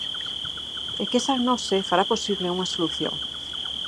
E que esa gnose fará posible unha solución.